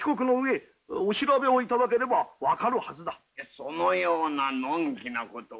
そのようなのんきなことを。